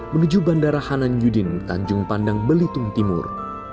menuju bandara hanan yudin tanjung pandang belitung timur